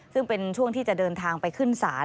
ซึ่งเป็นช่วงที่จะเดินทางไปขึ้นศาล